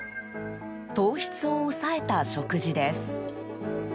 糖質を抑えた食事です。